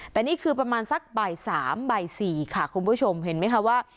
แต่นี้คือประมาณสักใบ๓ใบ๔ค่ะคุณผู้ชมเห็นไหมค่ะว่า